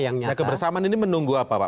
nah kebersamaan ini menunggu apa pak